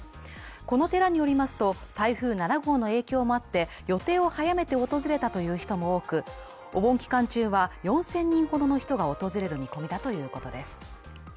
この寺によりますと台風７号の影響もあって予定を早めて訪れた人も多く、お盆期間中は４０００人ほどの人が訪れる見込みだということです。